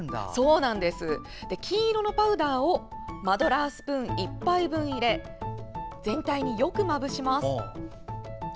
金色のパウダーをマドラースプーン１杯分入れ全体によくまぶします。